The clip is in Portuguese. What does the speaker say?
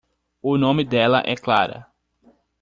O nome dela é Clara.